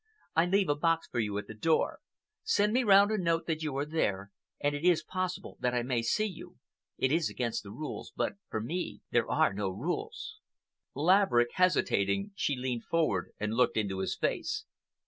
I leave a box for you at the door. Send me round a note that you are there, and it is possible that I may see you. It is against the rules, but for me there are no rules." Laverick hesitating, she leaned forward and looked into his face.